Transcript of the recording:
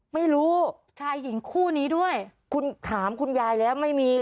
ไม่รู้ชายหญิงคู่นี้ด้วยคุณถามคุณยายแล้วไม่มี